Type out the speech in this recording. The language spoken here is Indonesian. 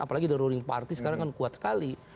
apalagi the roarding party sekarang kan kuat sekali